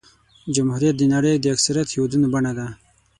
جمهوریت د نړۍ د اکثریت هېوادونو بڼه ده.